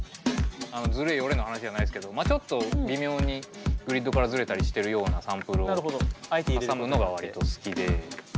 ズレヨレの話じゃないですけどちょっと微妙にグリッドからズレたりしてるようなサンプルを挟むのが割と好きで。